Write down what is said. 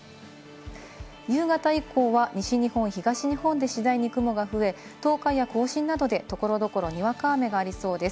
夕方以降は西日本、東日本で次第に雲が増え、東海や甲信などで所々にわか雨がありそうです。